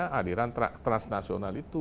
pancasila transnasional itu